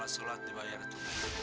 dan berdoa di bayar itu